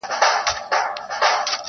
o کلي ورو ورو بدلېږي ډېر,